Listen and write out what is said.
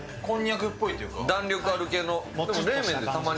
弾力ある系の。